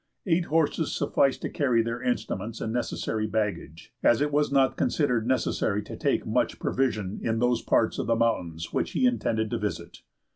Eight horses sufficed to carry their instruments and necessary baggage, as it was not considered necessary to take much provision in those parts of the mountains which he intended to visit.